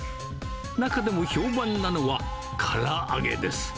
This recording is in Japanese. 中でも評判なのはから揚げです。